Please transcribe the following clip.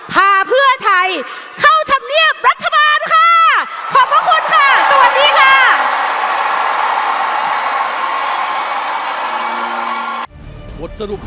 พาเพื่อไทยเข้าธรรมเนียมรัฐบาลค่ะ